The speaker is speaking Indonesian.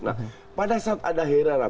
nah pada saat ada hirar